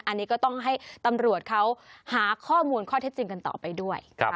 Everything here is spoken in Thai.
อันนี้ก็ต้องให้ตำรวจเขาหาข้อมูลข้อเท็จจริงกันต่อไปด้วย